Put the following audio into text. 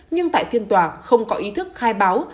nhưng tại phiên tòa không có ý thức khai báo